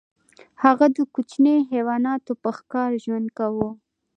هغه د کوچنیو حیواناتو په ښکار ژوند کاوه.